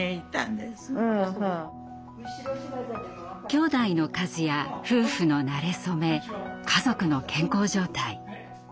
きょうだいの数や夫婦のなれ初め家族の健康状態。